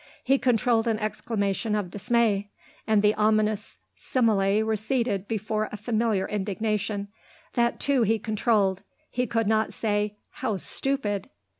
He controlled an exclamation of dismay, and the ominous simile receded before a familiar indignation; that, too, he controlled; he could not say: "How stupid!"